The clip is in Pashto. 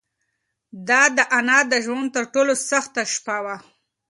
دا د انا د ژوند تر ټولو سخته شپه وه.